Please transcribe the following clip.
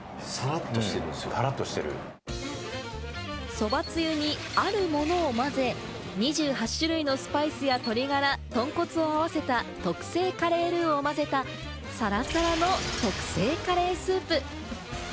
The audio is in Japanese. そばつゆにあるものを混ぜ、２８種類のスパイスや鶏がら、豚骨を合わせた特製カレールウを混ぜたサラサラの特製カレースープ。